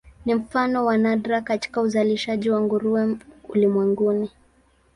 Ni mfano wa nadra katika uzalishaji wa nguruwe ulimwenguni.